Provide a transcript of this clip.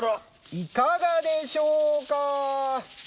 いかがでしょうか？